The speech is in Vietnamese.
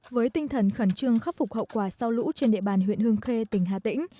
với tinh thần khẩn trương khắc phục hậu quả sau lũ trên địa bàn huyện hương khê tỉnh hà tĩnh